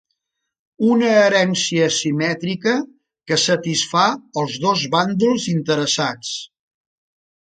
Una herència simètrica que satisfà els dos bàndols interessats.